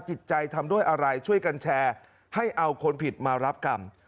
จิตใจทำด้วยอะไรช่วยกันแชร์ให้เอาคนผิดมารับกรรม